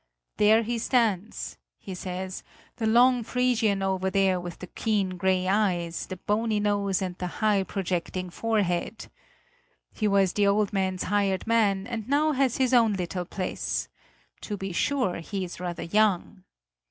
"There he stands," he said; "the long Frisian over there with the keen grey eyes, the bony nose and the high, projecting forehead. He was the old man's hired man and now has his own little place; to be sure, he is rather young."